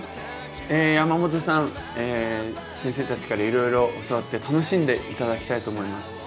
山本さん先生たちからいろいろ教わって楽しんで頂きたいと思います。